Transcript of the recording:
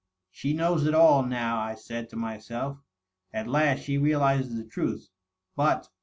^ She knows it all, now,' I said to myself. ^ At last she realizes the truth.' But ..